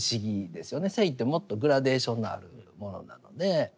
性ってもっとグラデーションのあるものなので。